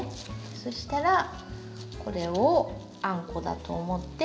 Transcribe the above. そしたらこれをあんこだと思って。